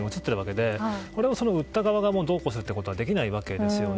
その売った側がどうこうするのはできないわけです。